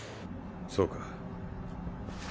そうか。